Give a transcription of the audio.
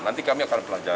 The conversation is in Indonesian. nanti kami akan belajar ya